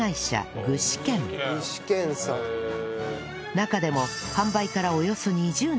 中でも販売からおよそ２０年